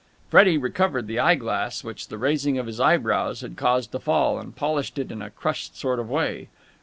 Freddie recovered the eye glass which the raising of his eyebrows had caused to fall, and polished it in a crushed sort of way.